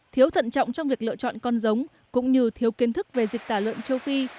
thiếu thận trọng trong việc lựa chọn con giống cũng như thiếu kiến thức về dịch tả lợn châu phi